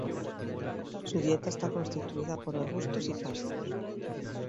Su dieta está constituida por arbustos y pastos.